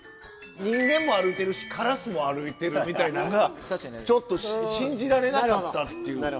人間も歩いてるしカラスも歩いてるみたいなのがちょっと信じられなかったっていう。